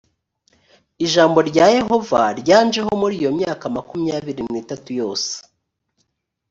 ijambo rya yehova ryanjeho muri iyo myaka makumyabiri n’itatu yose